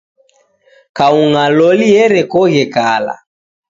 Kaung'a loli erekoghe kala